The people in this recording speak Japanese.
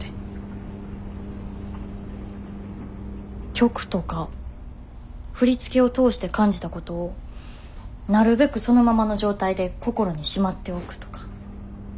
曲とか振り付けを通して感じたことをなるべくそのままの状態で心にしまっておくとか。